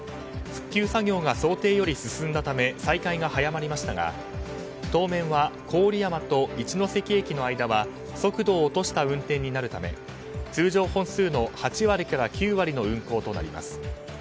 復旧作業が想定より進んだため再開が早まりましたが当面は、郡山と一ノ関駅の間は速度を落とした運転になるため通常本数の８割から９割の運行となります。